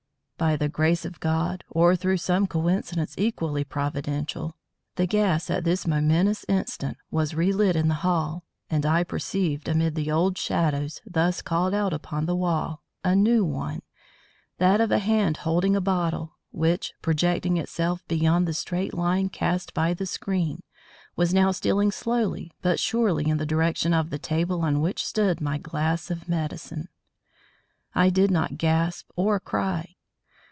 By the grace of God or through some coincidence equally providential, the gas at this momentous instant was relit in the hall, and I perceived, amid the old shadows thus called out upon the wall, a new one that of a hand holding a bottle, which, projecting itself beyond the straight line cast by the screen, was now stealing slowly but surely in the direction of the table on which stood my glass of medicine. I did not gasp or cry.